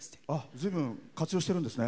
ずいぶん活用してるんですね。